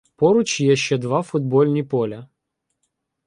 Поруч є ще два футбольні поля.